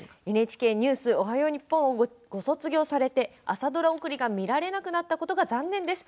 ＮＨＫニュース「おはよう日本」をご卒業されて朝ドラ送りが、見られなくなったことが残念です。